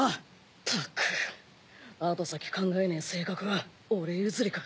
ったく後先考えねえ性格は俺譲りか。